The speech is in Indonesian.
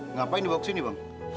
ngapain dibawa ke sini bang